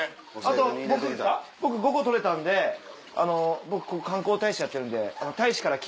あと僕５個採れたんで僕観光大使やってるんで。